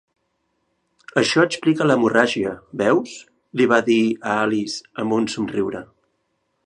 "Això explica l'hemorràgia, veus?", li va dir a Alice amb un somriure.